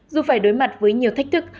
dù phải đối mặt với nhiều thách thức